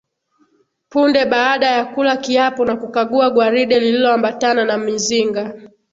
Punde baada ya kula kiapo na kukagua gwaride lililoambatana na mizinga